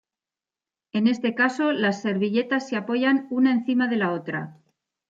En este caso, las servilletas se apoyan una encima de la otra.